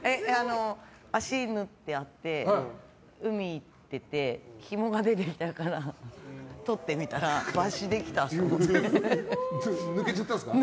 足縫ってあって、海に行ってひもが出てきたからとってみたら抜けちゃったんですか。